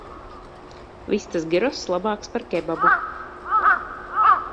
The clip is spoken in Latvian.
Vistas giross labāks par kebabu.